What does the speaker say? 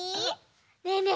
ねえねえ